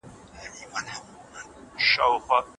روښانه فکر راتلونکی نه دروي.